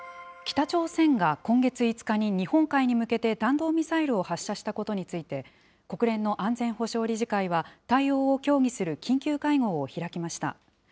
北朝鮮が今月５日に日本海に向けて弾道ミサイルを発射したことについて、国連の安全保障理事会は対応を協議する緊急会合を開きました。